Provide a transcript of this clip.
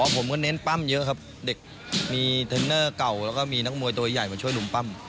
ผมก็เน้นปั้มเยอะครับเด็กมีเทรนเนอร์เก่าแล้วก็มีนักมวยตัวใหญ่มาช่วยลุงปั้ม